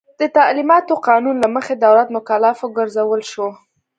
د تعلیماتو قانون له مخې دولت مکلف وګرځول شو.